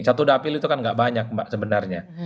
satu dapil itu kan nggak banyak mbak sebenarnya